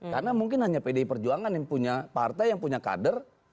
karena mungkin hanya pdi perjuangan yang punya partai yang punya kader